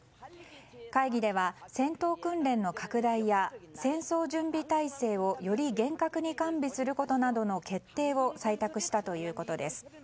会議では戦闘訓練の拡大や戦争準備態勢をより厳格に完備することなどの決定を採択したということです。